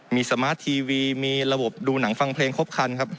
มีสมาร์ททีวีมีระบบดูหนังฟังเพลงครบคันครับ